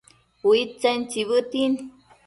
Uidtsen tsibëtin